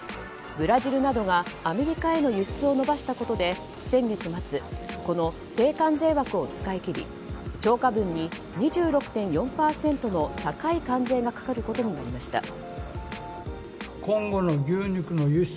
ブラジルなどがアメリカへの輸出を伸ばしたことで、先月末低関税枠を使い切り超過分に２６．４％の高い関税がかかることになりました。